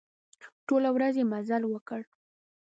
ټوله ورځ يې مزل وکړ.